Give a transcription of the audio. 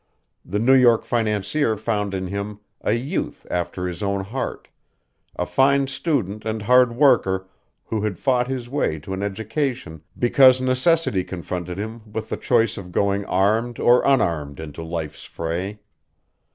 The New York financier found in him a youth after his own heart, a fine student and hard worker, who had fought his way to an education because necessity confronted him with the choice of going armed or unarmed into life's fray.